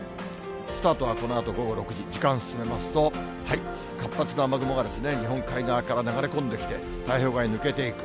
スタートはこのあと午後６時、時間を進めますと、活発な雨雲が日本海側から流れ込んできて、太平洋側に抜けていく。